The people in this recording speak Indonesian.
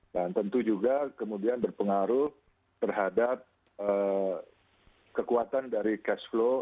dan tentu juga kemudian berpengaruh terhadap kekuatan dari cash flow